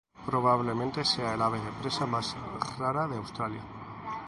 Probablemente sea el ave de presa más rara de Australia.